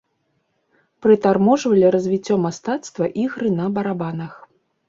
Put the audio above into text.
Прытарможвалі развіццё мастацтва ігры на барабанах.